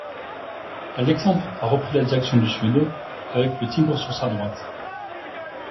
Alexandre a repris la direction du sud avec le Tigre sur sa droite.